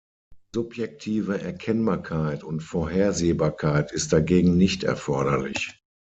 Subjektive Erkennbarkeit und Vorhersehbarkeit ist dagegen nicht erforderlich.